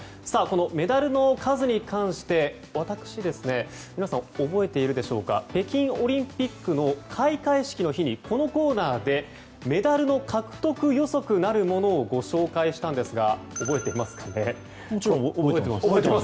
メダルの数に関して私、皆さん覚えているでしょうか北京オリンピックの開会式の日にこのコーナーでメダルの獲得予測なるものをご紹介したんですが覚えていますか。